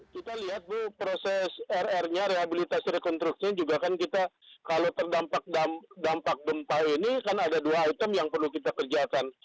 kita lihat bu proses rr nya rehabilitasi rekonstruksinya juga kan kita kalau terdampak dampak gempa ini kan ada dua item yang perlu kita kerjakan